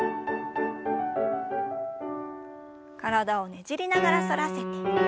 体をねじりながら反らせて。